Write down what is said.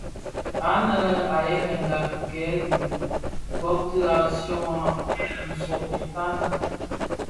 Ànë à yerênga rikêê di bôbti, à syongà zɔng itan.